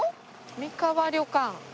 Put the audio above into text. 三河屋旅館。